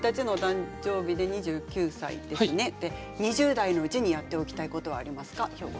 ２０代のうちにやっておきたいことは。